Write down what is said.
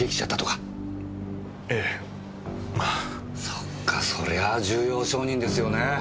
そっかそりゃあ重要証人ですよね。